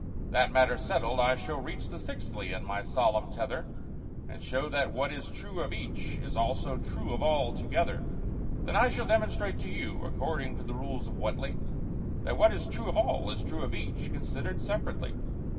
"That matter settled, I shall reach The 'Sixthly' in my solemn tether, And show that what is true of each, Is also true of all, together. "Then I shall demonstrate to you, According to the rules of WHATELY, That what is true of all, is true Of each, considered separately."